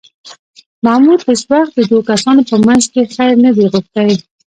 محمود هېڅ وخت د دوو کسانو په منځ کې خیر نه دی غوښتی